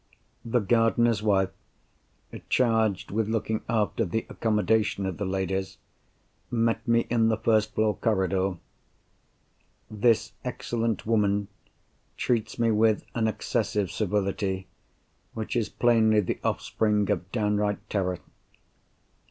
The gardener's wife (charged with looking after the accommodation of the ladies) met me in the first floor corridor. This excellent woman treats me with an excessive civility which is plainly the offspring of down right terror.